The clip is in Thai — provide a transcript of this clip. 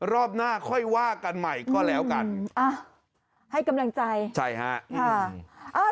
รอบหน้าค่อยว่ากันใหม่ก็แล้วกันให้กำลังใจใช่ฮะค่ะ